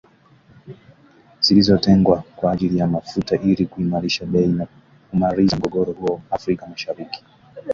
zilizotengwa kwa ajili ya mafuta ili kuimarisha bei na kumaliza mgogoro huo Afrika mashariki